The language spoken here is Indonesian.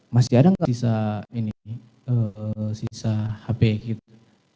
masih ada gak sisa hp gitu